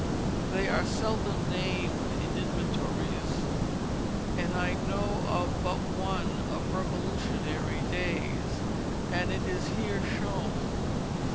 They are seldom named in inventories, and I know of but one of Revolutionary days, and it is here shown.